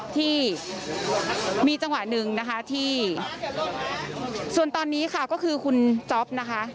ที่มีจังหวะหนึ่งนะคะที่ส่วนตอนนี้ค่ะก็คือคุณจ๊อปนะคะ